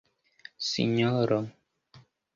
sinjoro